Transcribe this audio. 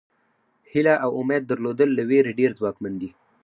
هیله او امید درلودل له وېرې ډېر ځواکمن دي.